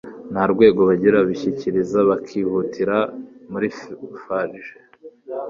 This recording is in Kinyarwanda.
nta rwego bagira babishyikiriza bakihutira muri farg